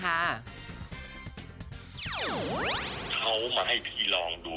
เขามาให้พี่ลองดู